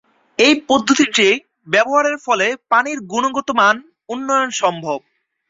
এই পদ্ধতিটি ব্যবহারের ফলে পানির গুণগত মান উন্নয়ন সম্ভব।